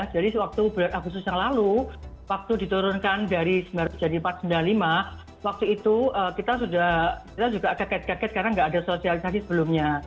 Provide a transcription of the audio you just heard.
jadi waktu bulan agustus yang lalu waktu diturunkan dari sembilan ratus tiga puluh lima sembilan ratus empat puluh lima waktu itu kita sudah kita juga agak agak agak karena nggak ada sosialisasi sebelumnya